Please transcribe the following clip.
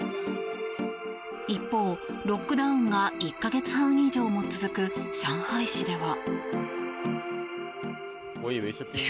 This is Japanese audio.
一方、ロックダウンが１か月半以上も続く上海市では。